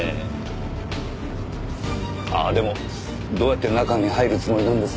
ああでもどうやって中に入るつもりなんです？